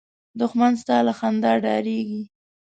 دښمن ستا له خندا ډارېږي